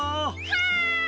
はい！